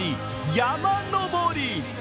山登り。